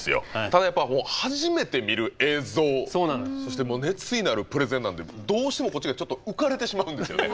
ただやっぱ初めて見る映像そして熱意のあるプレゼンなんでどうしてもこっちがちょっと浮かれてしまうんですよね。